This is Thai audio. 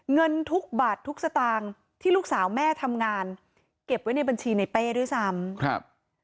เงินทุกบาททุกสตางค์ที่ลูกสาวแม่ทำงานเก็บไว้ในบัญชีในเป้ด้วยซ้ำครับ